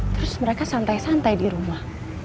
terus mereka santai santai di rumah